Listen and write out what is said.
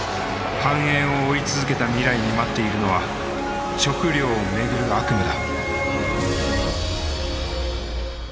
繁栄を追い続けた未来に待っているのは食料を巡る悪夢だ。